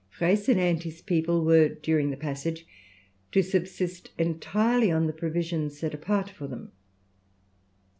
Freycinet and his people were during the passage to subsist entirely on the provisions set apart for them.